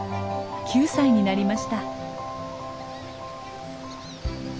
９歳になりました。